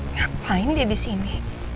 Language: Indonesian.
ngapain dia disini